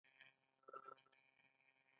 د خوړو په وخت کې لومړی باید نرم خواړه وخوړل شي.